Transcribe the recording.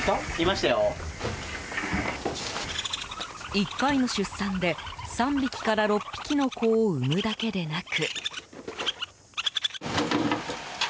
１回の出産で３匹から６匹の子を産むだけでなく。